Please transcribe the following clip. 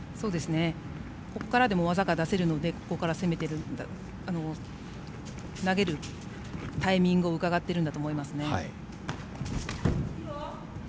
ここからでも技が出せるのでここから攻めている投げるタイミングを伺っていると思いますね。